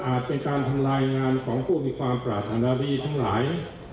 เป็นการทำลายงานของผู้มีความปรารถนาดีทั้งหลาย